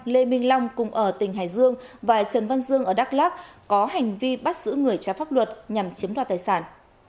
lê minh long cùng ở tỉnh hải dương và trần văn dương ở đắk lắk có hành vi bắt giữ người trái pháp luật nhằm chiếm đoạt tài sản